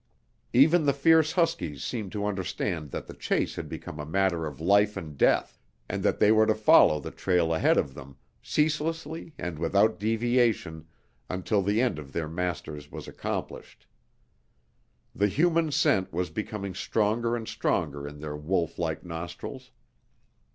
Even the fierce huskies seemed to understand that the chase had become a matter of life and death, and that they were to follow the trail ahead of them, ceaselessly and without deviation, until the end of their masters was accomplished. The human scent was becoming stronger and stronger in their wolf like nostrils.